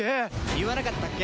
言わなかったっけ？